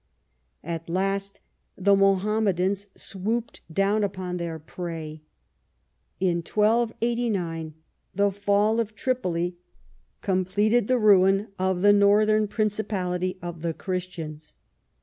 At last the Mohammedans swooped down upon their prey. In 1289 the fall of Tripoli completed the ruin of the northern principality of the Christians.